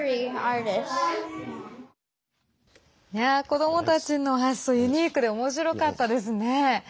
子どもたちの発想ユニークでおもしろかったですね。